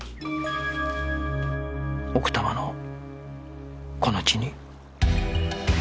奥多摩のこの地に